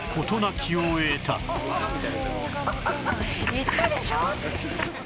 言ったでしょ！